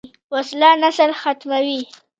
وسله نسل ختموي